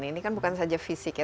ini kan bukan saja fisik ya